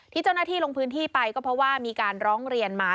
ที่เจ้าหน้าที่ลงพื้นที่ไปก็เพราะว่ามีการร้องเรียนมา